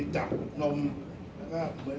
ก็จะเสียชีวิตโดย